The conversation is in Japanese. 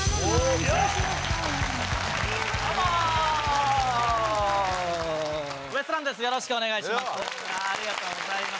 よろしくお願いします。